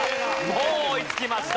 もう追いつきました。